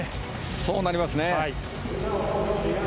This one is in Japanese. そうなりますね。